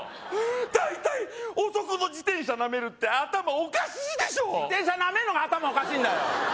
だいたい男の自転車なめるって頭おかしいでしょ自転車なめんのが頭おかしいんだよ